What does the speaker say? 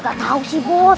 gak tau sih bos